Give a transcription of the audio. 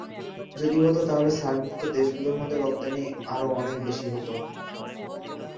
যদি হতো তাহলে সার্কভুক্ত দেশগুলোর মধ্যে রপ্তানি আরও অনেক বেশি হতো।